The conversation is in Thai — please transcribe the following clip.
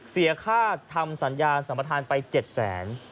เสียค่าทำสัญญาสนับประทาน๗๐๐๐บาท